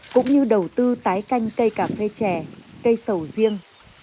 cũng như đầu tư tái canh cây cà phê chè cây sầu riêng